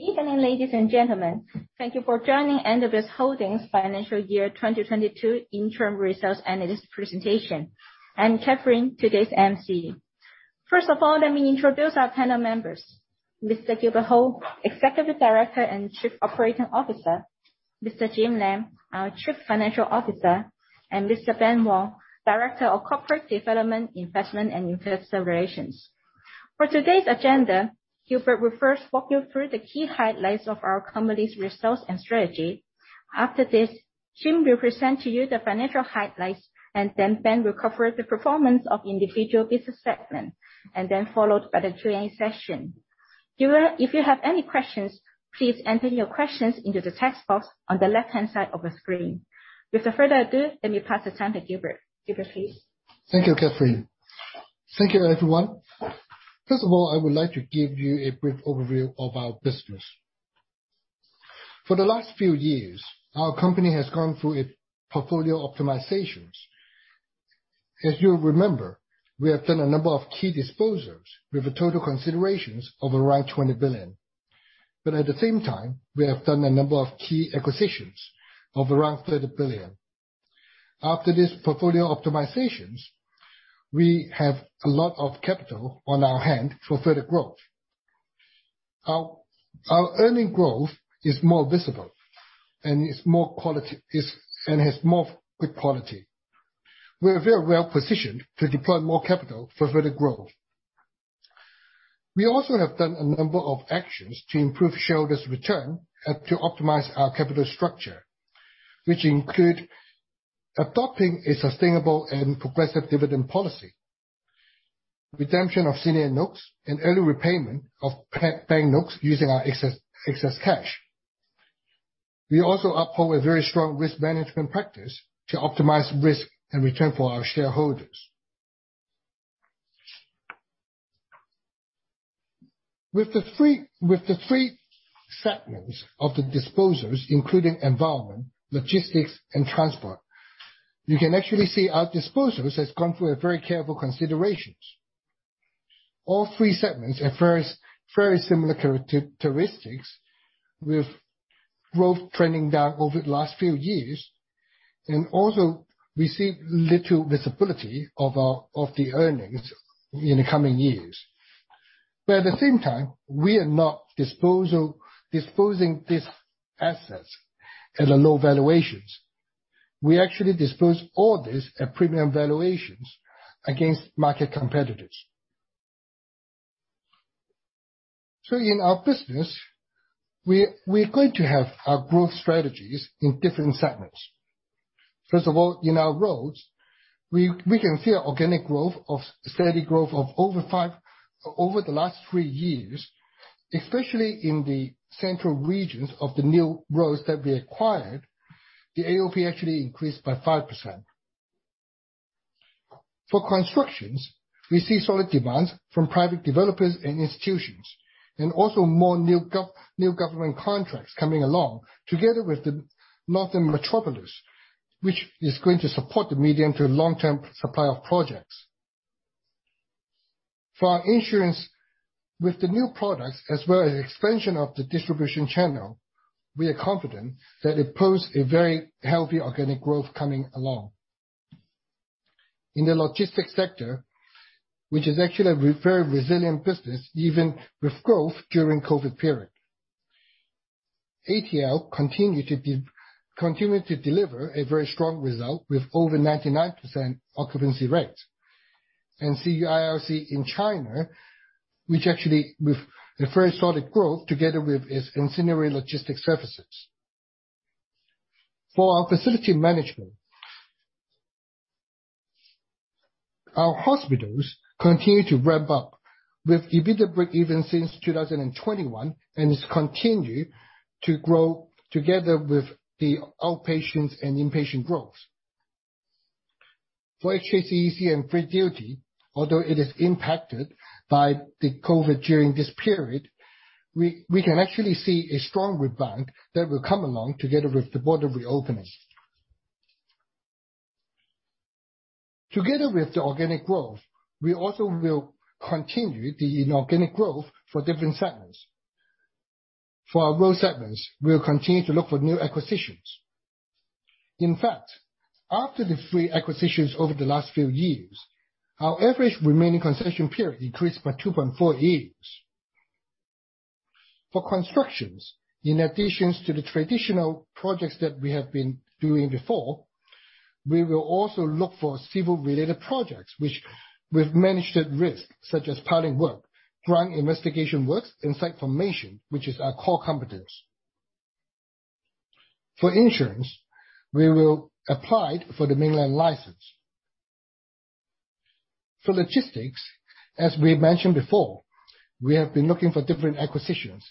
Good evening, ladies and gentlemen. Thank you for joining NWS Holdings Financial Year 2022 interim results analyst presentation. I'm Catherine, today's MC. First of all, let me introduce our panel members. Mr. Gilbert Ho, Executive Director and Chief Operating Officer. Mr. Jim Lam, our Chief Financial Officer, and Mr. Ben Wong, Director of Corporate Development Investment and Investor Relations. For today's agenda, Gilbert will first walk you through the key highlights of our company's results and strategy. After this, Jim will present to you the financial highlights, and then Ben will cover the performance of individual business segment, and then followed by the Q&A session. If you have any questions, please enter your questions into the text box on the left-hand side of the screen. Without further ado, let me hand over to Gilbert. Gilbert, please. Thank you, Catherine. Thank you, everyone. First of all, I would like to give you a brief overview of our business. For the last few years, our company has gone through a portfolio optimizations. As you'll remember, we have done a number of key disposals with a total considerations of around 20 billion. At the same time, we have done a number of key acquisitions of around 30 billion. After this portfolio optimizations, we have a lot of capital on our hand for further growth. Our earnings growth is more visible and has more quality. We are very well-positioned to deploy more capital for further growth. We also have done a number of actions to improve shareholders' return and to optimize our capital structure, which include adopting a sustainable and progressive dividend policy, redemption of senior notes, and early repayment of bank notes using our excess cash. We also uphold a very strong risk management practice to optimize risk and return for our shareholders. With the three segments of the disposals, including environment, logistics and transport, you can actually see our disposals has gone through a very careful considerations. All three segments have very similar characteristics, with growth trending down over the last few years, and also we see little visibility of the earnings in the coming years. At the same time, we are not disposing these assets at low valuations. We actually dispose all these at premium valuations against market competitors. In our business, we're going to have our growth strategies in different segments. First of all, in our roads, we can see steady growth of over 5% over the last 3 years, especially in the central regions of the new roads that we acquired, the AOP actually increased by 5%. For constructions, we see solid demands from private developers and institutions, and also more new government contracts coming along together with the Northern Metropolis, which is going to support the medium to long-term supply of projects. For our insurance, with the new products as well as expansion of the distribution channel, we are confident that it pose a very healthy organic growth coming along. In the logistics sector, which is actually a very resilient business, even with growth during COVID period. ATL continues to deliver a very strong result with over 99% occupancy rate. CUIRC in China, which actually with a very solid growth together with its ancillary logistics services. For our facility management, our hospitals continue to ramp up with EBITDA break even since 2021 and has continued to grow together with the outpatients and inpatient growth. For HKCEC and Free Duty, although it is impacted by the COVID during this period, we can actually see a strong rebound that will come along together with the border reopening. Together with the organic growth, we also will continue the inorganic growth for different segments. For our road segments, we'll continue to look for new acquisitions. In fact, after the three acquisitions over the last few years, our average remaining concession period increased by 2.4 years. For construction, in addition to the traditional projects that we have been doing before, we will also look for civil-related projects, which we've managed at risk, such as piling work, ground investigation works and site formation, which is our core competence. For insurance, we will apply for the mainland license. For logistics, as we mentioned before, we have been looking for different acquisitions.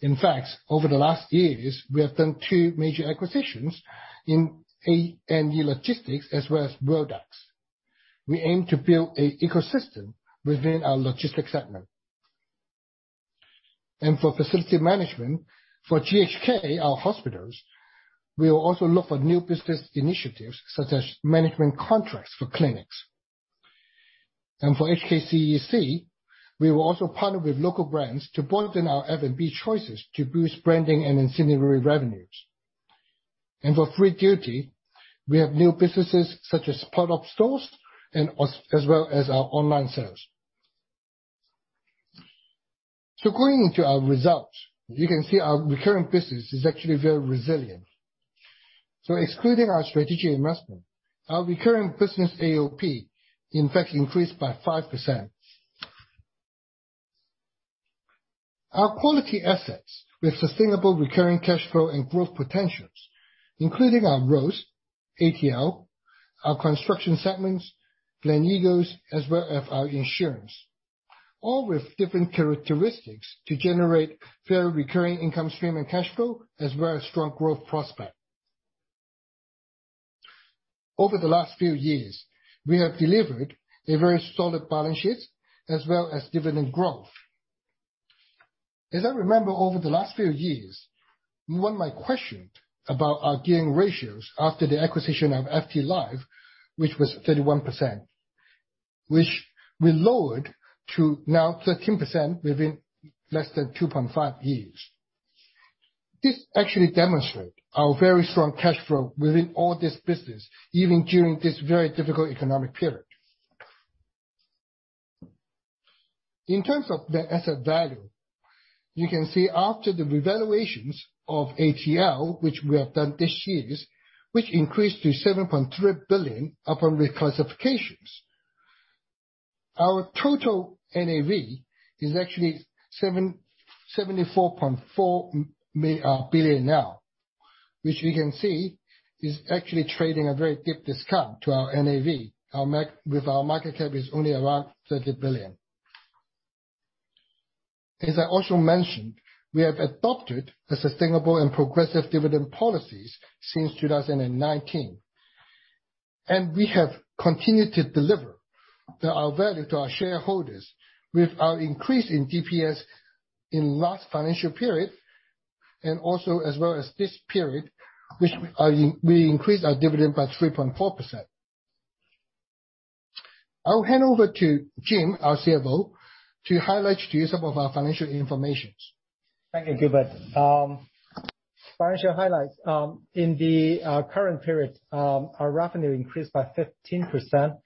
In fact, over the last years, we have done two major acquisitions in ANE Logistics as well as Worldex. We aim to build an ecosystem within our logistics segment. For facility management, for GHK, our hospitals, we will also look for new business initiatives such as management contracts for clinics. For HKCEC, we will also partner with local brands to broaden our F&B choices to boost branding and ancillary revenues. For FREE DUTY, we have new businesses such as pop-up stores as well as our online sales. Going into our results, you can see our recurring business is actually very resilient. Excluding our strategic investment, our recurring business AOP in fact increased by 5%. Our quality assets with sustainable recurring cash flow and growth potentials, including our roads, ATL, our construction segments, Gleneagles, as well as our insurance, all with different characteristics to generate fair recurring income stream and cash flow, as well as strong growth prospect. Over the last few years, we have delivered a very solid balance sheet as well as dividend growth. As I remember, over the last few years, one might question about our gearing ratios after the acquisition of FTLife, which was 31%, which we lowered to now 13% within less than 2.5 years. This actually demonstrate our very strong cash flow within all this business, even during this very difficult economic period. In terms of the asset value, you can see after the revaluations of ATL, which we have done this year, which increased to 7.3 billion upon re-classifications. Our total NAV is actually 774.4 billion now, which you can see is actually trading a very deep discount to our NAV. With our market cap is only around 30 billion. As I also mentioned, we have adopted a sustainable and progressive dividend policies since 2019, and we have continued to deliver our value to our shareholders with our increase in DPS in last financial period and also as well as this period, which we increased our dividend by 3.4%. I will hand over to Jim, our CFO, to highlight to you some of our financial information. Thank you, Gilbert. Financial highlights. In the current period, our revenue increased by 15%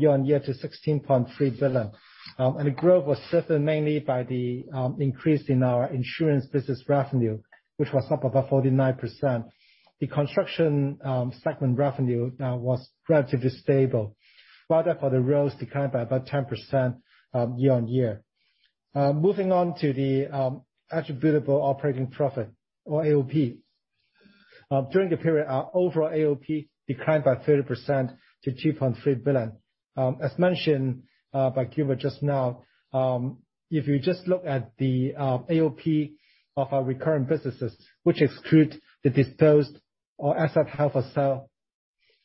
year-on-year to 16.3 billion. The growth was driven mainly by the increase in our insurance business revenue, which was up about 49%. The construction segment revenue was relatively stable, rather the roads declined by about 10% year-on-year. Moving on to the attributable operating profit or AOP. During the period, our overall AOP declined by 30% to 2.3 billion. As mentioned by Gilbert just now, if you just look at the AOP of our recurring businesses, which exclude the disposed or asset held for sale,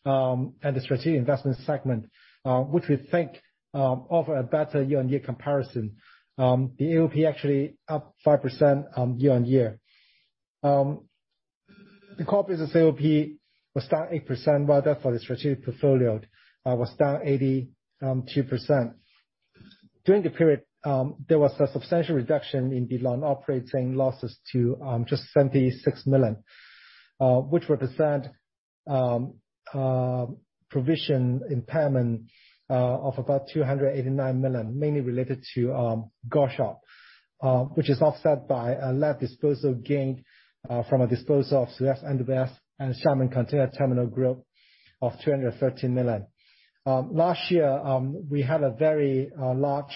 and the strategic investment segment, which we think offer a better year-on-year comparison, the AOP actually up 5% year-on-year. The core business AOP was down 8% rather for the strategic portfolio, was down 82%. During the period, there was a substantial reduction in the non-operating losses to just 76 million, which represent provision impairment of about 289 million, mainly related to Goshawk, which is offset by a net disposal gain from a disposal of SUEZ NWS and Xiamen Container Terminal Group of 213 million. Last year, we had a very large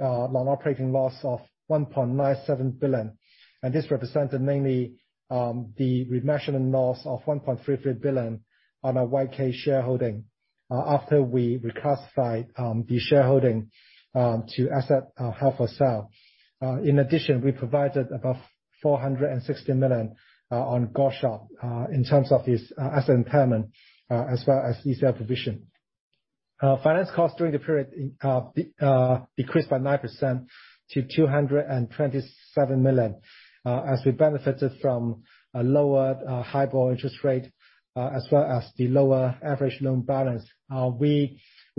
non-operating loss of 1.97 billion, and this represented mainly the re-measurement loss of 1.33 billion on our Wai Kee shareholding after we reclassified the shareholding to asset held for sale. In addition, we provided about 460 million on Goshawk in terms of this asset impairment as well as ECL provision. Finance costs during the period decreased by 9% to 227 million as we benefited from a lower HIBOR interest rate as well as the lower average loan balance. We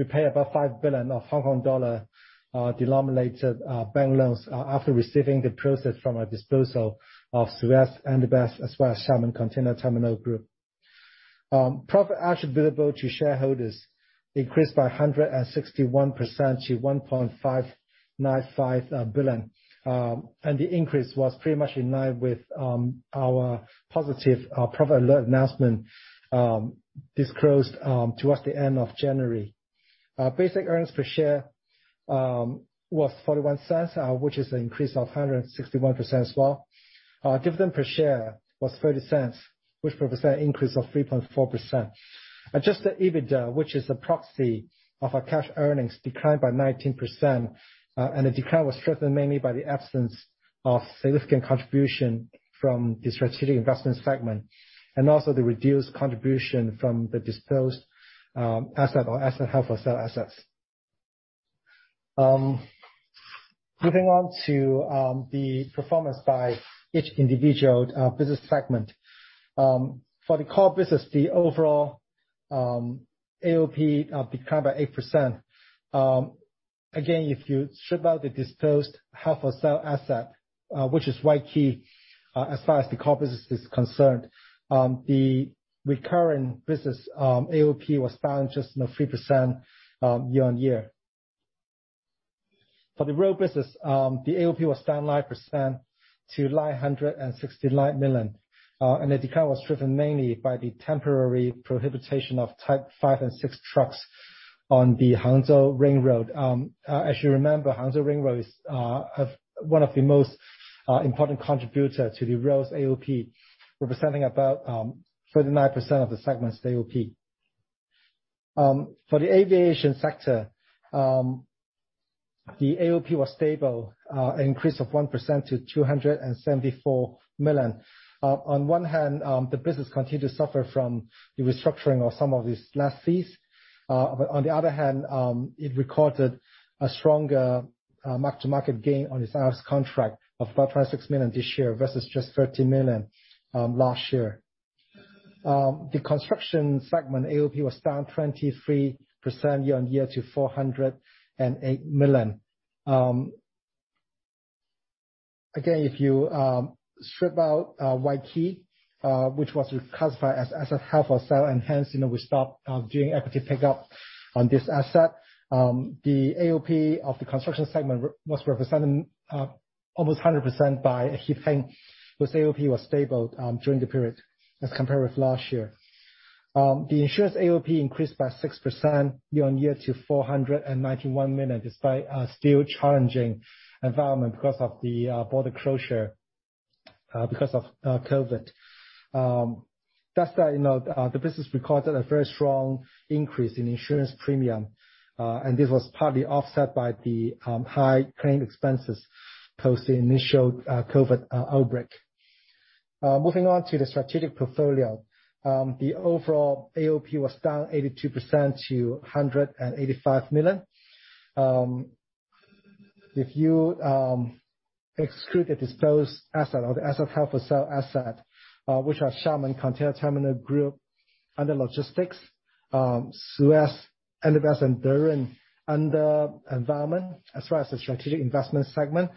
paid about 5 billion of Hong Kong dollar denominated bank loans after receiving the proceeds from our disposal of SUEZ NWS as well as Xiamen Container Terminal Group. Profit attributable to shareholders increased by 161% to 1.595 billion. The increase was pretty much in line with our positive profit alert announcement disclosed towards the end of January. Basic earnings per share was 0.41, which is an increase of 161% as well. Dividend per share was 0.30, which represents an increase of 3.4%. Adjusted EBITDA, which is a proxy of our cash earnings, declined by 19%, and the decline was driven mainly by the absence of significant contribution from the strategic investment segment and also the reduced contribution from the disposed asset or asset held for sale assets. Moving on to the performance by each individual business segment. For the core business, the overall AOP declined by 8%. Again, if you strip out the disposed half for sale asset, which is Wai Kee, as far as the core business is concerned, the recurring business, AOP was down just, you know, 3%, year-on-year. For the road business, the AOP was down 9% to 969 million. The decline was driven mainly by the temporary prohibition of type five and six trucks on the Hangzhou Ring Road. As you remember, Hangzhou Ring Road is one of the most important contributor to the road's AOP, representing about 39% of the segment's AOP. For the aviation sector, the AOP was stable, an increase of 1% to 274 million. On one hand, the business continued to suffer from the restructuring of some of its lease fees. On the other hand, it recorded a stronger mark-to-market gain on its IRS contract of 4.6 million this year versus just 13 million last year. The construction segment AOP was down 23% year-on-year to HKD 408 million. Again, if you strip out Wai Kee, which was reclassified as a held for sale, and hence, you know, we stopped doing equity pick-up on this asset. The AOP of the construction segment represented almost 100% by Hip Hing, whose AOP was stable during the period as compared with last year. The insurance AOP increased by 6% year-on-year to 491 million, despite a still challenging environment 'cause of the border closure because of COVID. Thus, you know, the business recorded a very strong increase in insurance premium, and this was partly offset by the high claim expenses post the initial COVID outbreak. Moving on to the strategic portfolio. The overall AOP was down 82% to 185 million. If you exclude the disposed asset or the asset held for sale asset, which are Xiamen Container Terminal Group under Logistics, SUEZ, Andebas and Derun under Environment, as well as the Strategic Investment segment,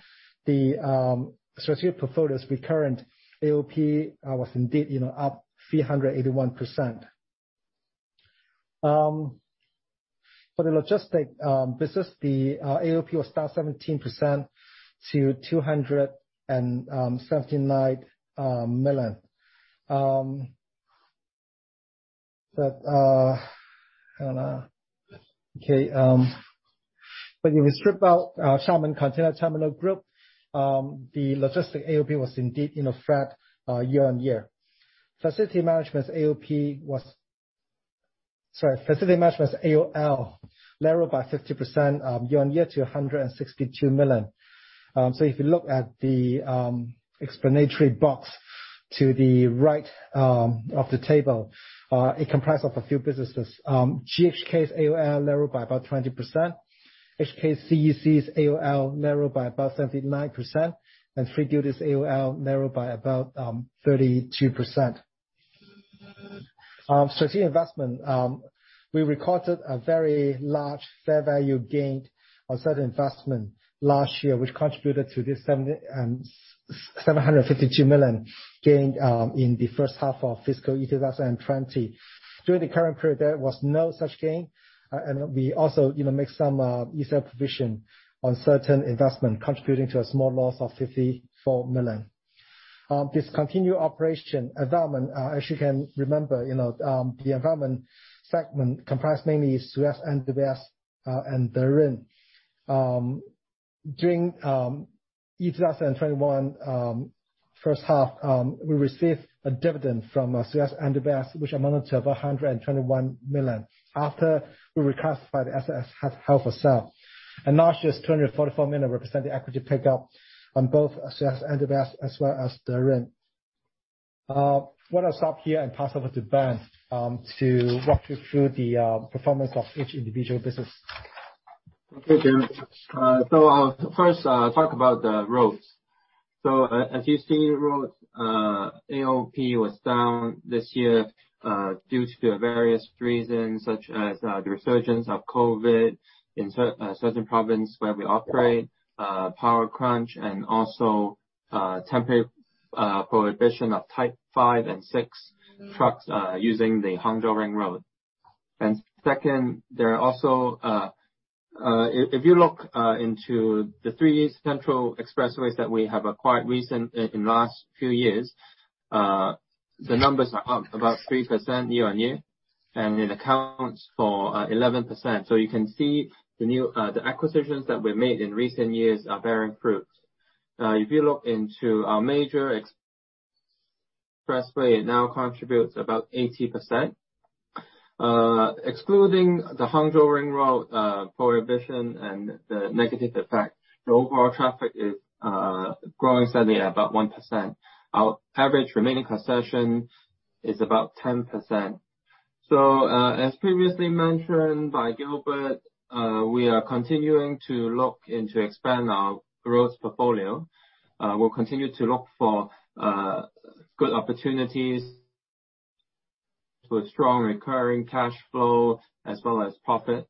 the strategic portfolio's recurrent AOP was indeed, you know, up 381%. For the logistics business, the AOP was down 17% to HKD 279 million. Hang on. Okay, if we strip out Xiamen Container Terminal Group, the logistics AOP was indeed, you know, flat year-on-year. Facility management's AOP narrowed by 50% year-on-year to 162 million. If you look at the explanatory box to the right of the table, it comprised of a few businesses. GHK's AOP narrowed by about 20%. HKCEC's AOP narrowed by about 79%, and Free Duty's AOP narrowed by about 32%. Strategic investment, we recorded a very large fair value gain on certain investment last year, which contributed to this 752 million gain in the first half of fiscal 2020. During the current period, there was no such gain, and we also, you know, make some easier provision on certain investment, contributing to a small loss of 54 million. Discontinued operation, environment, as you can remember, you know, the environment segment comprised mainly SUEZ NWS and Derun. During 2021 first half, we received a dividend from SUEZ NWS, which amounted to 121 million after we reclassified the asset as held for sale. Last year's 244 million represent the equity pick-up on both SUEZ NWS as well as Derun. Why don't I stop here and pass over to Ben to walk you through the performance of each individual business? Okay, James. I'll first talk about the roads. As you see, road AOP was down this year due to the various reasons such as the resurgence of COVID in certain province where we operate, power crunch and also temporary prohibition of type 5 and 6 trucks using the Hangzhou Ring Road. Second, there are also. If you look into the three central expressways that we have acquired recently in the last few years, the numbers are up about 3% year-on-year, and it accounts for 11%. You can see the new acquisitions that we made in recent years are bearing fruit. If you look into our major expressway, it now contributes about 80%. Excluding the Hangzhou Ring Road prohibition and the negative effect, the overall traffic is growing steadily at about 1%. Our average remaining concession is about 10%. As previously mentioned by Gilbert, we are continuing to look into to expand our growth portfolio. We'll continue to look for good opportunities with strong recurring cash flow as well as profit.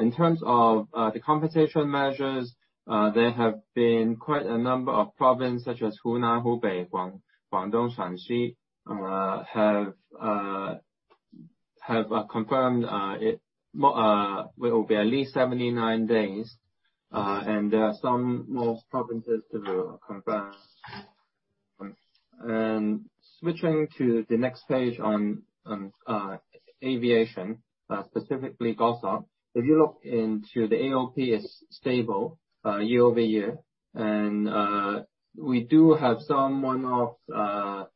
In terms of the competition measures, there have been quite a number of provinces such as Hunan, Hubei, Guangdong, Shanxi, have confirmed it will be at least 79 days, and some more provinces to confirm. Switching to the next page on aviation, specifically GSA. If you look into the AOP, it is stable year-over-year and we do have some one-off on...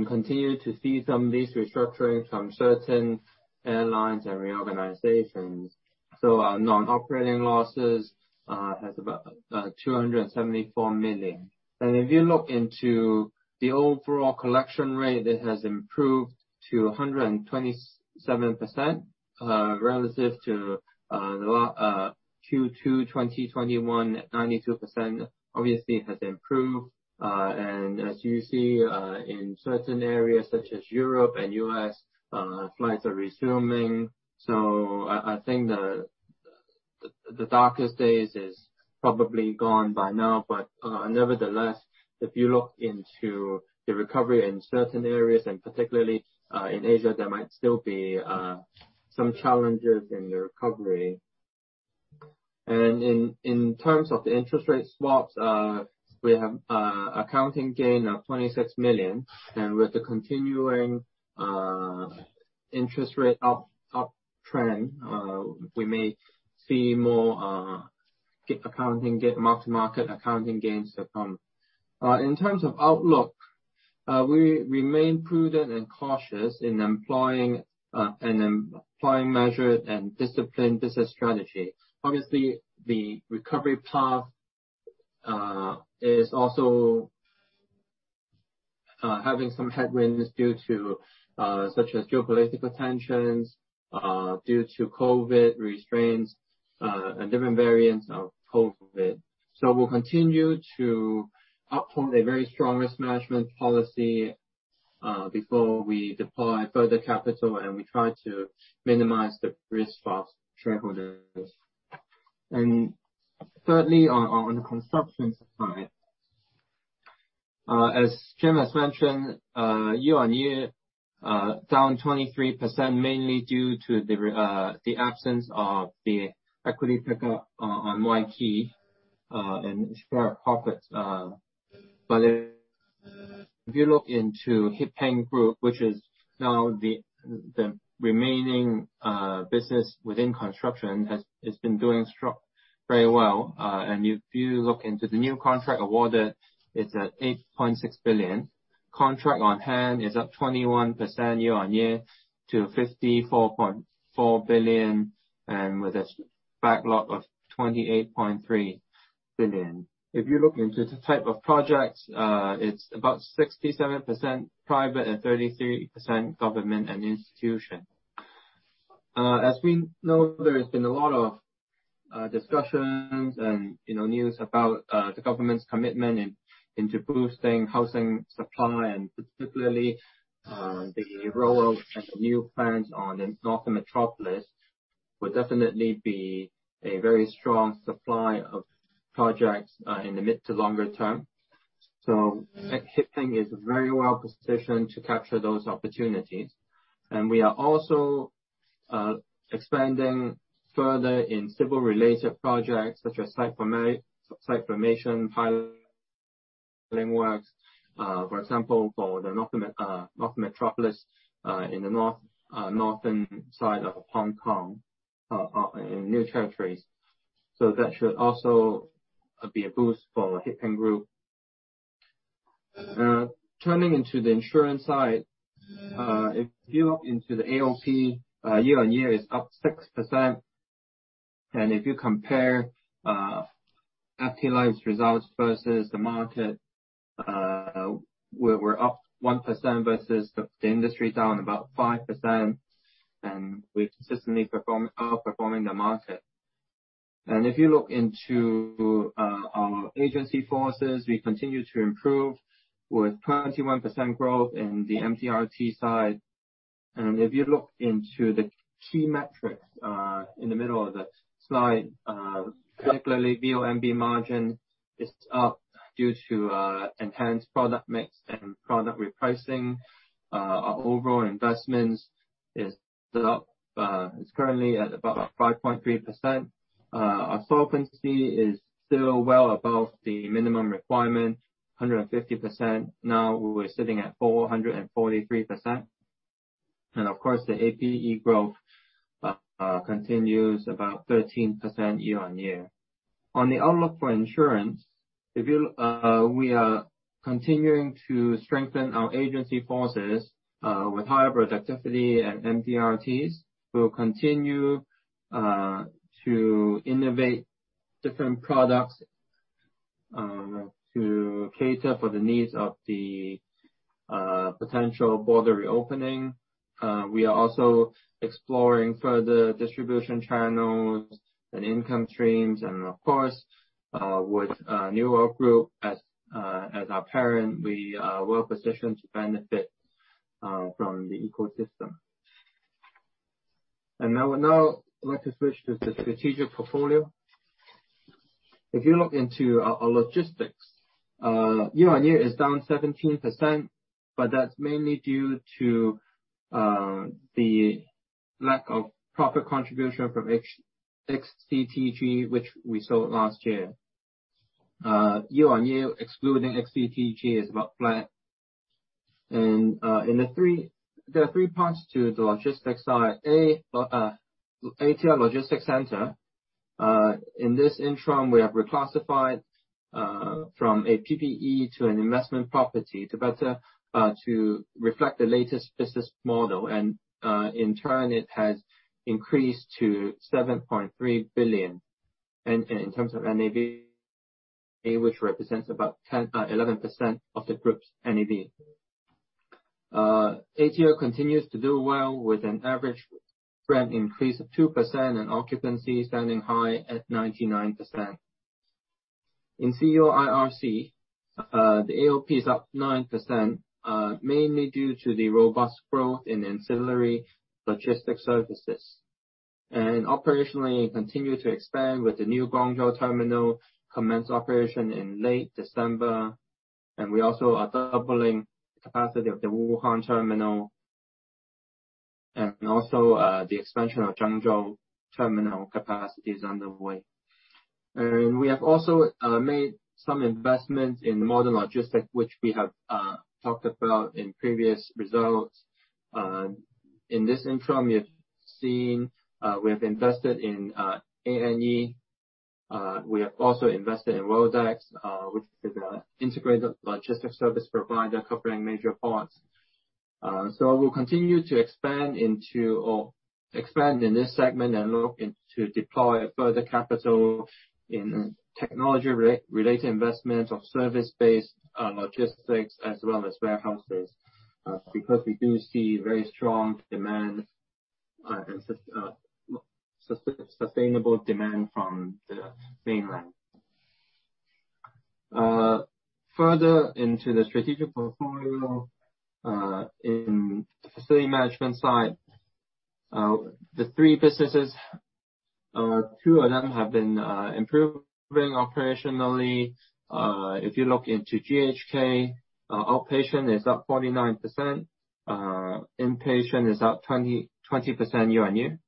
We continue to see some lease restructuring from certain airlines and reorganizations. Our non-operating losses has about 274 million. If you look into the overall collection rate, it has improved to 127%, relative to the last Q2 2021 at 92%. Obviously it has improved. As you see, in certain areas such as Europe and U.S., flights are resuming. I think the darkest days is probably gone by now, but nevertheless, if you look into the recovery in certain areas, and particularly in Asia, there might still be some challenges in the recovery. In terms of the interest rate swaps, we have accounting gain of 26 million. With the continuing interest rate uptrend, we may see more GAAP accounting gains, mark-to-market accounting gains to come. In terms of outlook, we remain prudent and cautious in employing measured and disciplined business strategy. Obviously, the recovery path is also having some headwinds due to such as geopolitical tensions, due to COVID restrictions, and different variants of COVID. We'll continue to uphold a very strong risk management policy before we deploy further capital, and we try to minimize the risk for our shareholders. Thirdly, on the construction side. As Jim has mentioned, year-on-year down 23% mainly due to the absence of the equity pickup on Wai Kee and fair profit. If you look into Hip Hing Group, which is now the remaining business within construction, it's been doing very well. If you look into the new contract awarded, it's at 8.6 billion. Contract on hand is up 21% year-on-year to 54.4 billion, and with a backlog of 28.3 billion. If you look into the type of projects, it's about 67% private and 33% government and institution. As we know, there's been a lot of discussions and, you know, news about the government's commitment into boosting housing supply and particularly the role of new plans on Northern Metropolis will definitely be a very strong supply of projects in the mid to longer term. Hip Hing is very well positioned to capture those opportunities. We are also expanding further in civil related projects such as site formation, pile frameworks. For example, for the Northern Metropolis in the northern side of Hong Kong in New Territories. That should also be a boost for Hip Hing Group. Turning to the insurance side. If you look into the AOP, year-on-year is up 6%. If you compare ACLI's results versus the market, we're up 1% versus the industry down about 5%. We consistently are performing the market. If you look into our agency forces, we continue to improve with 21% growth in the MDRT side. If you look into the key metrics in the middle of the slide, particularly VNB margin is up due to enhanced product mix and product repricing. Our overall investments is still up. It's currently at about 5.3%. Our solvency is still well above the minimum requirement, 150%. Now we were sitting at 443%. Of course, the APE growth continues about 13% year-over-year. On the outlook for insurance, if you will, we are continuing to strengthen our agency forces with higher productivity and MDRTs. We'll continue to innovate different products to cater for the needs of the potential border reopening. We are also exploring further distribution channels and income streams. Of course, with New World Group as our parent, we are well positioned to benefit from the ecosystem. Now I'd like to switch to the strategic portfolio. If you look into our logistics, year-on-year is down 17%, but that's mainly due to the lack of proper contribution from XCTG, which we sold last year. Year-on-year, excluding XCTG is about flat. There are three parts to the logistics side. ATL Logistics Centre. In this interim, we have reclassified from a PPE to an investment property to better reflect the latest business model. In turn, it has increased to 7.3 billion in terms of NAV, which represents about 10%-11% of the group's NAV. ATL continues to do well with an average rent increase of 2% and occupancy standing high at 99%. In CUIRC, the AOP is up 9%, mainly due to the robust growth in ancillary logistics services. Operationally, we continue to expand with the new Guangzhou terminal commenced operation in late December. We also are doubling the capacity of the Wuhan terminal. The expansion of Zhengzhou terminal capacity is underway. We have also made some investments in modern logistics, which we have talked about in previous results. In this interim, you've seen, we have invested in ANE. We have also invested in Worldex, which is an integrated logistics service provider covering major ports. We'll continue to expand in this segment and look to deploy further capital in technology-related investments of service-based logistics as well as warehouses, because we do see very strong demand and sustainable demand from the mainland. Further into the strategic portfolio, in facility management side, the three businesses, two of them have been improving operationally. If you look into GHK, outpatient is up 49%. Inpatient is up 20% year-on-year.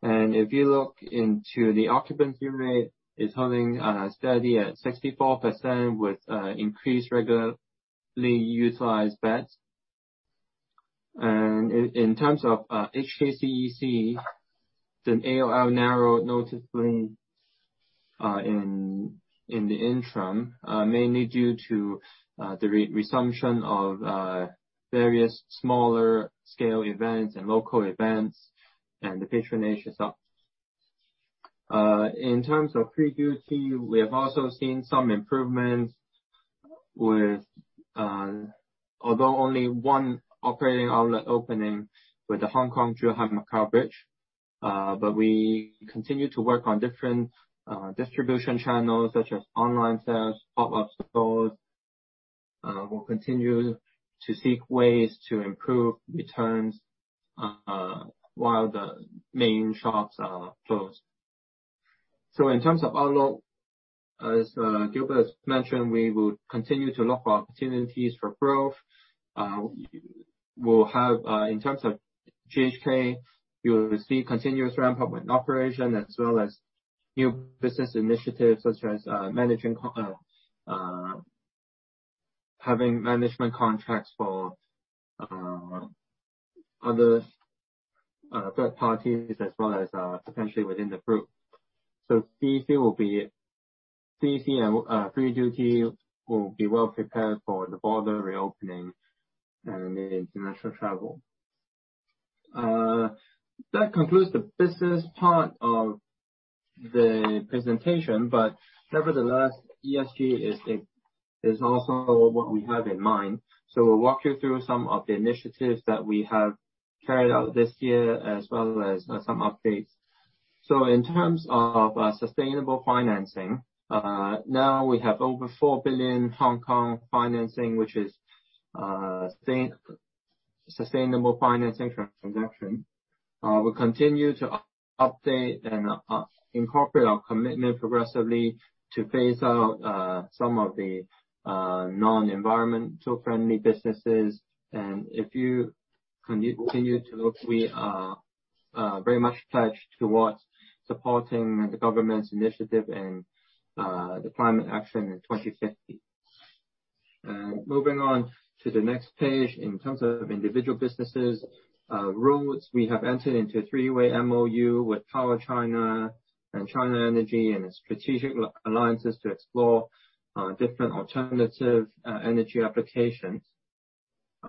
If you look into the occupancy rate, it's holding steady at 64% with increased regularly utilized beds. In terms of HKCEC, AOL narrowed noticeably in the interim, mainly due to the resumption of various smaller scale events and local events, and the patronage is up. In terms of FREE DUTY, we have also seen some improvements with, although only one operating outlet opening with the Hong Kong-Zhuhai-Macao Bridge. We continue to work on different distribution channels such as online sales, pop-up stores. We'll continue to seek ways to improve returns while the main shops are closed. In terms of outlook, as Gilbert mentioned, we will continue to look for opportunities for growth. We'll have, in terms of GHK, you'll see continuous ramp-up in operation as well as new business initiatives such as having management contracts for other third parties as well as potentially within the group. CC and FREE DUTY will be well prepared for the border reopening and the international travel. That concludes the business part of the presentation, but nevertheless, ESG is also what we have in mind. We'll walk you through some of the initiatives that we have carried out this year as well as some updates. In terms of sustainable financing, now we have over 4 billion Hong Kong financing which is sustainable financing transaction. We'll continue to update and incorporate our commitment progressively to phase out some of the non-environmentally friendly businesses. If you continue to look, we are very much pledged towards supporting the government's initiative and the climate action in 2050. Moving on to the next page. In terms of individual businesses, roads, we have entered into a three-way MoU with PowerChina and China Energy in a strategic alliances to explore different alternative energy applications.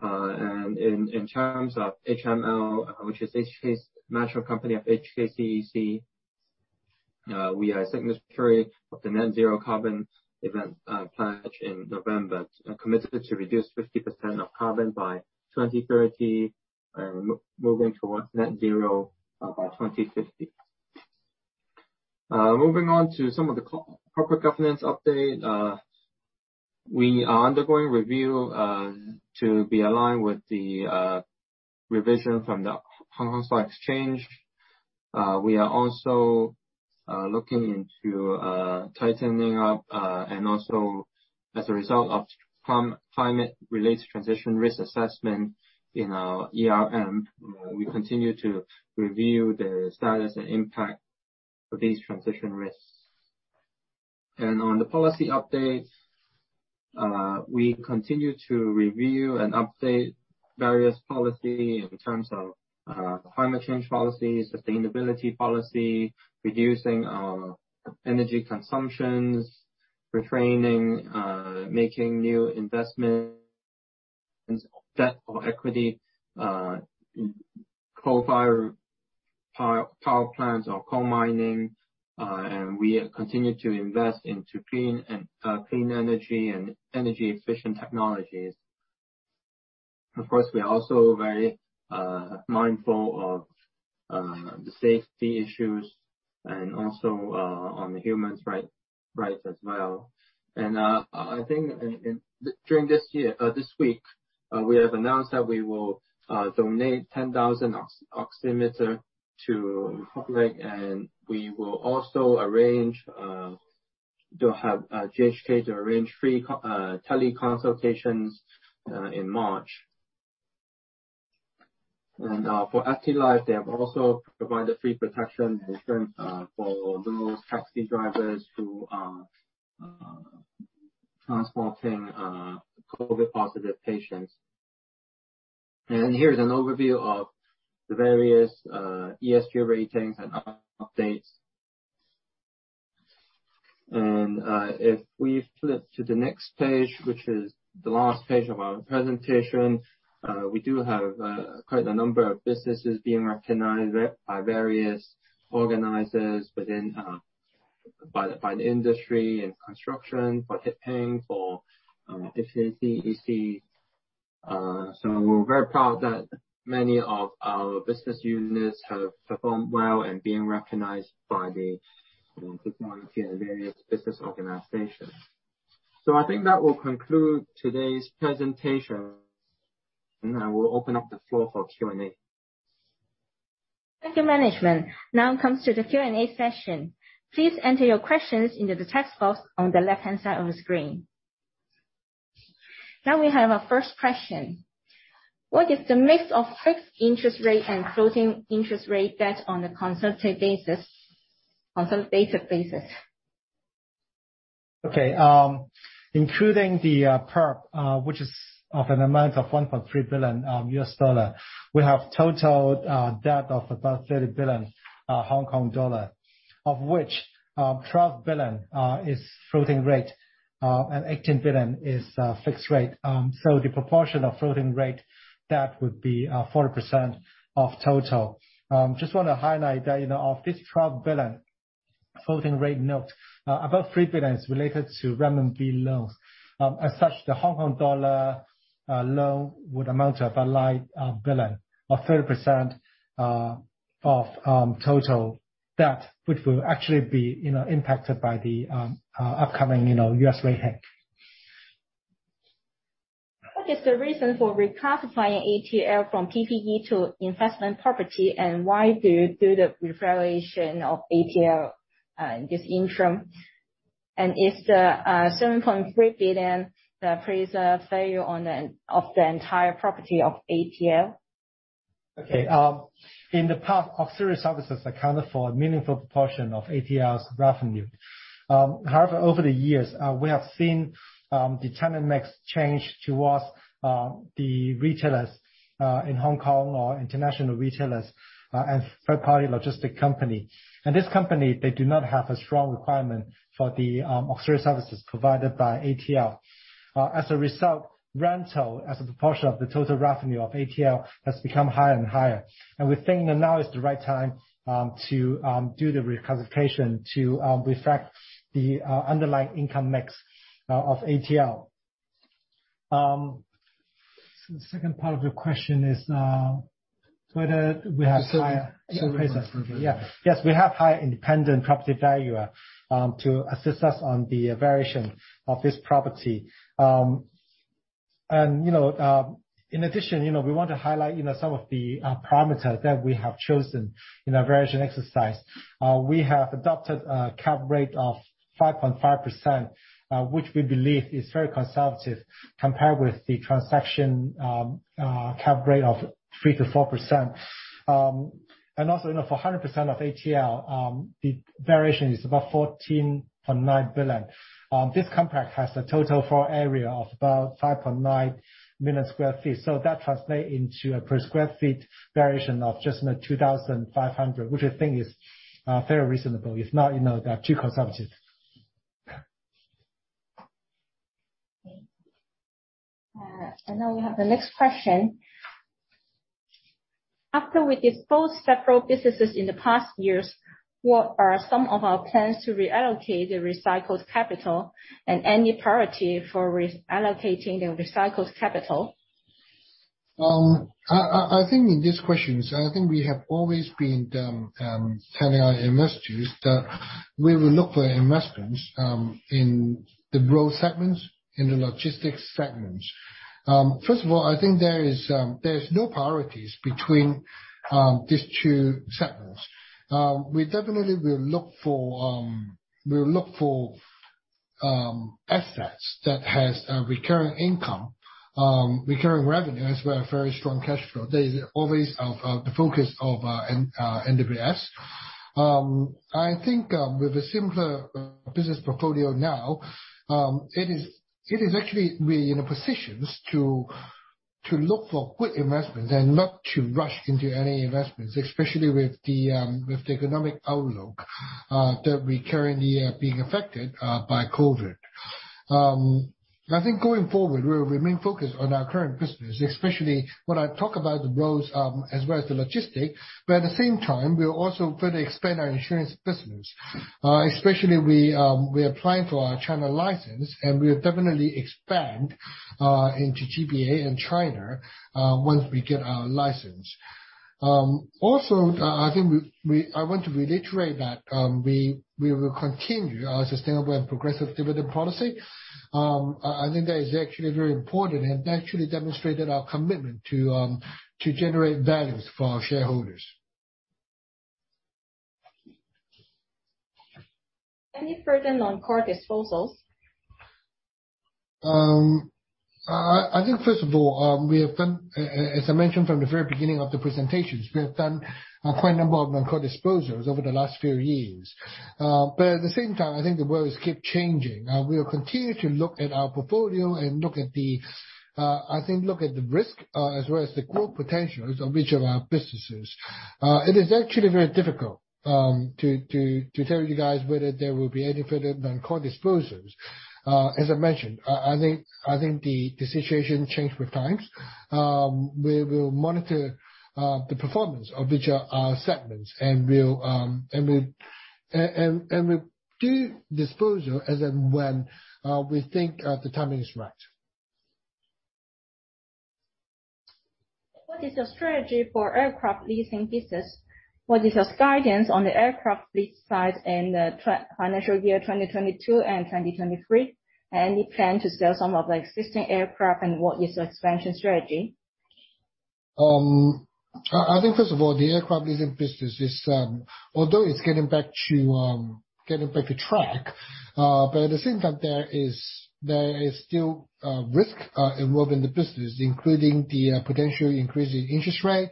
In terms of HML, which is the management company of HKCEC, we are a signatory of the Net Zero Carbon Events pledge in November, committed to reduce 50% of carbon by 2030, moving towards net zero by 2050. Moving on to some of the corporate governance update. We are undergoing review to be aligned with the revision from the Hong Kong Stock Exchange. We are also looking into tightening up, and also as a result of climate related transition risk assessment in our ERM. We continue to review the status and impact of these transition risks. On the policy update, we continue to review and update various policy in terms of climate change policy, sustainability policy, reducing our energy consumption, retraining, making new investments, debt or equity, co-firing power plants or coal mining. We continue to invest into clean energy and energy efficient technologies. Of course, we are also very mindful of the safety issues and also on the human rights as well. During this year this week, we have announced that we will donate 10,000 oximeters to public, and we will also arrange to have GHK to arrange free tele consultations in March. For FTLife, they have also provided free protection insurance for those taxi drivers who are transporting COVID positive patients. Here's an overview of the various ESG ratings and updates. If we flip to the next page, which is the last page of our presentation, we do have quite a number of businesses being recognized by various organizers within the industry and construction for Hip Hing, for HKCEC. We're very proud that many of our business units have performed well and being recognized by the, you know, technology and various business organizations. I think that will conclude today's presentation, and I will open up the floor for Q&A. Thank you, management. Now comes to the Q&A session. Please enter your questions into the text box on the left-hand side of the screen. Now we have our first question. What is the mix of fixed interest rate and floating interest rate debt on a consolidated basis? Okay. Including the PERP, which is of an amount of $1.3 billion, we have total debt of about 30 billion Hong Kong dollar, of which 12 billion is floating rate and 18 billion is fixed rate. The proportion of floating rate debt would be 40% of total. Just wanna highlight that, you know, of this 12 billion floating rate notes, about CNY 3 billion is related to renminbi loans. As such, the Hong Kong dollar loan would amount to about HKD 9 billion or 30% of total debt, which will actually be, you know, impacted by the upcoming U.S. rate hike. What is the reason for reclassifying ATL from PPE to investment property, and why do you do the revaluation of ATL in this interim? Is the 7.3 billion the present value of the entire property of ATL? Okay. In the past, auxiliary services accounted for a meaningful proportion of ATL's revenue. However, over the years, we have seen the tenant mix change towards the retailers in Hong Kong or international retailers and third-party logistics company. This company, they do not have a strong requirement for the auxiliary services provided by ATL. As a result, rental as a proportion of the total revenue of ATL has become higher and higher. We think that now is the right time to do the reclassification to reflect the underlying income mix of ATL. The second part of the question is whether we have higher- Yeah. Yes, we have hired independent property valuer to assist us on the valuation of this property. You know, in addition, you know, we want to highlight, you know, some of the parameters that we have chosen in our valuation exercise. We have adopted a cap rate of 5.5%, which we believe is very conservative compared with the transaction cap rate of 3%-4%. Also, you know, for 100% of ATL, the valuation is about 14.9 billion. This contract has a total floor area of about 5.9 million sq ft, so that translate into a per square feet valuation of just 2,500, which I think is very reasonable. It's not, you know, that too conservative. Okay. Now we have the next question. After we dispose several businesses in the past years, what are some of our plans to reallocate the recycled capital, and any priority for re-allocating the recycled capital? I think in these questions, I think we have always been telling our investors that we will look for investments in the growth segments, in the logistics segments. First of all, I think there's no priorities between these two segments. We definitely will look for assets that has a recurring income, recurring revenue as well, very strong cash flow. They always are the focus of NWS. I think with a simpler business portfolio now, it is actually we're in a positions to look for good investments and not to rush into any investments, especially with the economic outlook that we currently are being affected by COVID. I think going forward, we'll remain focused on our current business, especially when I talk about the rails, as well as the logistics. At the same time, we'll also further expand our insurance business. Especially, we're applying for our China license, and we'll definitely expand into GBA and China once we get our license. Also, I want to reiterate that we will continue our sustainable and progressive dividend policy. I think that is actually very important and actually demonstrated our commitment to generate values for our shareholders. Any further non-core disposals? I think first of all, as I mentioned from the very beginning of the presentations, we have done a quite number of non-core disposals over the last few years. At the same time, I think the world is keep changing. We'll continue to look at our portfolio and look at the risk, as well as the growth potentials of each of our businesses. It is actually very difficult to tell you guys whether there will be any further non-core disposals. As I mentioned, I think the situation change with times. We will monitor the performance of each of our segments, and we'll do disposal as and when we think the timing is right. What is your strategy for aircraft leasing business? What is your guidance on the aircraft lease size and financial year 2022 and 2023? Any plan to sell some of the existing aircraft, and what is your expansion strategy? I think first of all, the aircraft leasing business is, although it's getting back to track, but at the same time there is still risk involved in the business, including the potential increase in interest rate,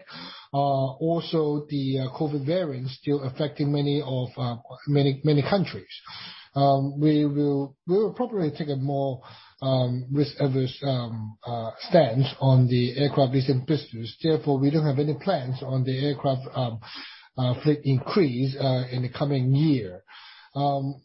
also the COVID variants still affecting many countries. We will probably take a more risk-averse stance on the aircraft leasing business. Therefore, we don't have any plans on the aircraft fleet increase in the coming year.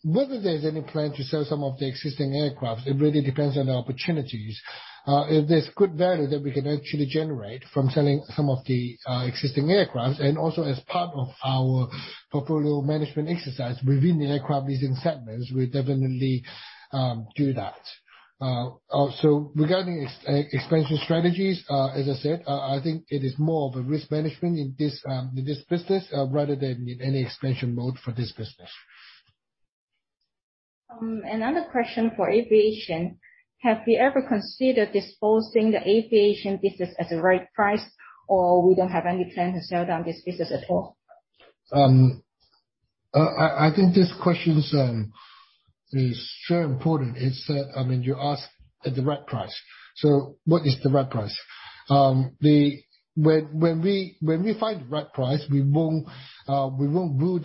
Whether there's any plan to sell some of the existing aircraft, it really depends on the opportunities. If there's good value that we can actually generate from selling some of the existing aircraft, and also as part of our portfolio management exercise within the aircraft leasing segments, we'll definitely do that. Also regarding expansion strategies, as I said, I think it is more of a risk management in this business rather than in any expansion mode for this business. Another question for aviation. Have you ever considered disposing the aviation business at the right price, or we don't have any plan to sell down this business at all? I think this question is very important. I mean, you ask at the right price. What is the right price? When we find the right price, we won't rule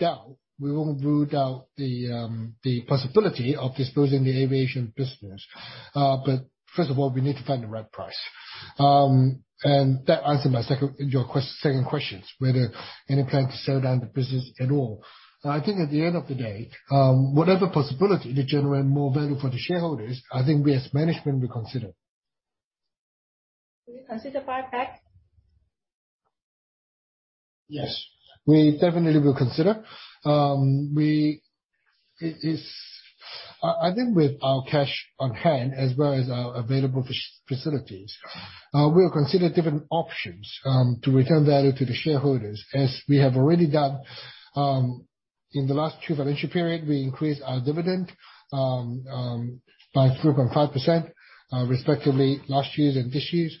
out the possibility of disposing the aviation business. First of all, we need to find the right price. That answers your second question, whether any plan to sell down the business at all. I think at the end of the day, whatever possibility to generate more value for the shareholders, I think we as management will consider. Will you consider buyback? Yes. We definitely will consider. I think with our cash on hand as well as our available facilities, we'll consider different options to return value to the shareholders. As we have already done in the last two financial period, we increased our dividend by 3.5%, respectively last year's and this year's.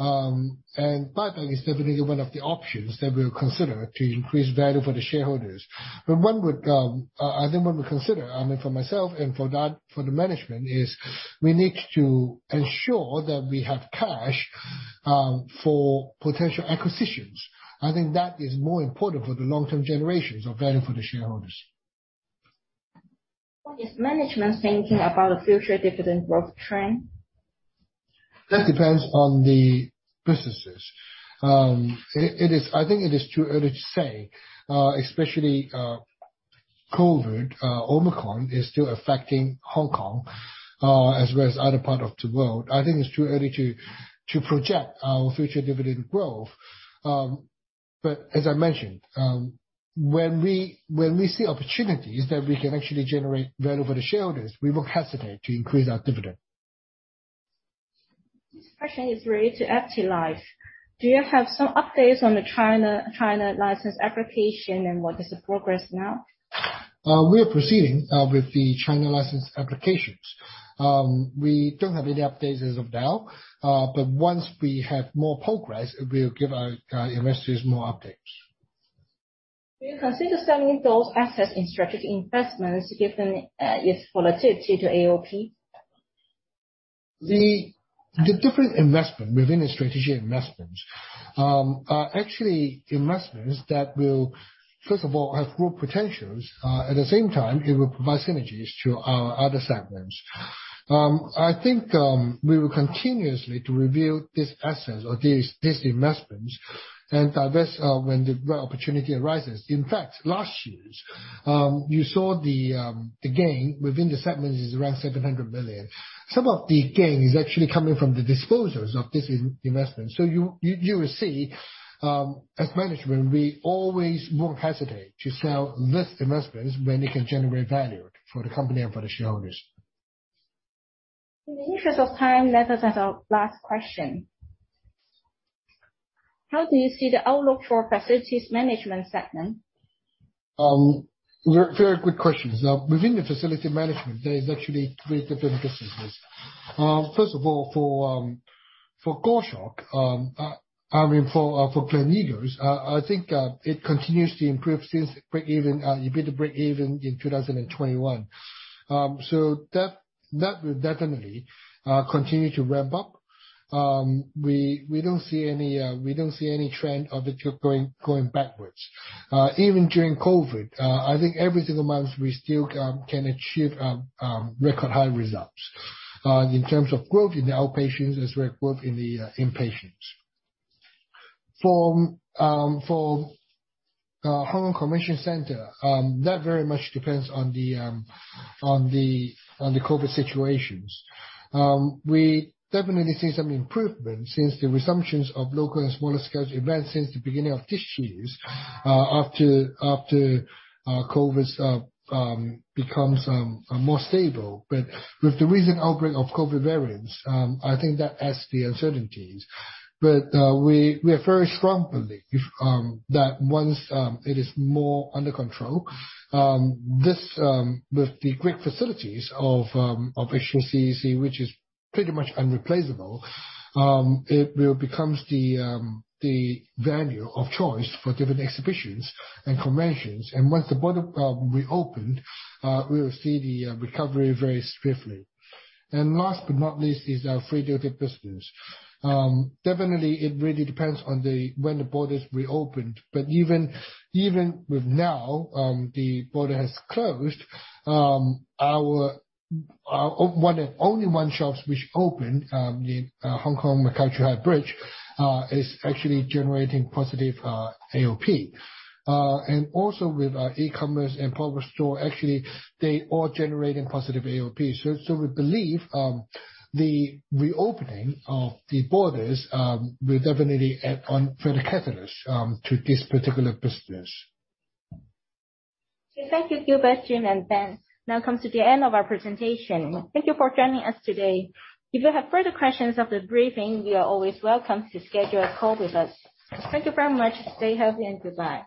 Buyback is definitely one of the options that we'll consider to increase value for the shareholders. One would consider, I mean, for myself and for the management, we need to ensure that we have cash for potential acquisitions. I think that is more important for the long-term generations of value for the shareholders. What is management thinking about the future dividend growth trend? That depends on the businesses. I think it is too early to say, especially COVID Omicron is still affecting Hong Kong, as well as other part of the world. I think it's too early to project our future dividend growth. As I mentioned, when we see opportunities that we can actually generate value for the shareholders, we won't hesitate to increase our dividend. This question is related to FTLife. Do you have some updates on the China license application, and what is the progress now? We are proceeding with the China license applications. We don't have any updates as of now, but once we have more progress, we'll give our investors more updates. Do you consider selling those assets in strategic investments given its volatility to AOP? The different investment within the strategic investments are actually investments that will, first of all, have growth potentials. At the same time, it will provide synergies to our other segments. I think we will continuously to review these assets or these investments and divest when the right opportunity arises. In fact, last year you saw the gain within the segment is around 700 million. Some of the gain is actually coming from the disposals of this investment. You will see as management, we always won't hesitate to sell these investments when it can generate value for the company and for the shareholders. In the interest of time, let us have our last question. How do you see the outlook for facilities management segment? Very good question. Now, within the facility management, there is actually three different businesses. First of all, for Gleneagles, I think it continues to improve since EBITDA break-even in 2021. That will definitely continue to ramp up. We don't see any trend of it going backwards. Even during COVID, I think every single month we still can achieve record high results in terms of growth in the outpatients as well as growth in the inpatients. For Hong Kong Convention Center, that very much depends on the COVID situations. We definitely see some improvement since the resumptions of local and smaller scale events since the beginning of this year after COVID's becomes more stable. With the recent outbreak of COVID variants, I think that adds the uncertainties. We strongly believe that once it is more under control, this with the great facilities of HKCEC, which is pretty much irreplaceable, it will becomes the venue of choice for different exhibitions and conventions. Once the border reopened, we will see the recovery very swiftly. Last but not least is our Free Duty business. Definitely it really depends on when the borders reopened. Even now the border has closed, our One of only one shops which opened in Hong Kong-Zhuhai-Macao Bridge is actually generating positive AOP. Also with our E-commerce and pop-up store, actually they all generating positive AOPs. We believe the reopening of the borders will definitely add on further catalyst to this particular business. Thank you Gilbert, Jim, and Ben. Now comes to the end of our presentation. Thank you for joining us today. If you have further questions of the briefing, you are always welcome to schedule a call with us. Thank you very much. Stay healthy and goodbye.